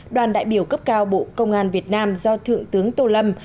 đoàn đại biểu cấp cao bộ công an việt nam do thượng tướng tô lâm